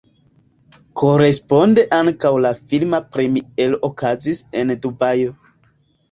Koresponde ankaŭ la filma premiero okazis en Dubajo.